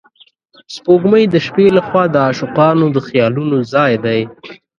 سپوږمۍ د شپې له خوا د عاشقانو د خیالونو ځای دی